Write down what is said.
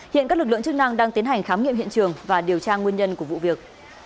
hiện các lực lượng chức năng đang tiến hành khám nghiệm hiện trường và điều tra nguyên nhân của vụ việc